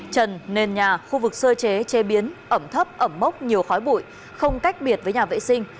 trần nền nhà khu vực sơ chế chế biến ẩm thấp ẩm mốc nhiều khói bụi không cách biệt với nhà vệ sinh